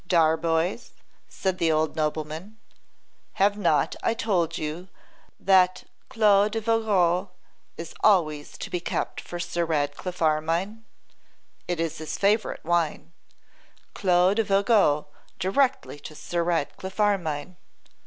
'Darbois,' said the old nobleman, 'have not I told you that Clos de Vougeot is always to be kept for Sir Ratcliffe Armine? It is his favourite wine. Clos de Vougeot directly to Sir Ratcliffe Armine.